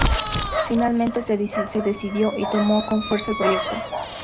Finalmente se decidió y tomó con fuerza el proyecto.